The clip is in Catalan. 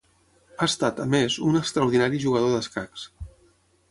Ha estat, a més, un extraordinari jugador d'escacs.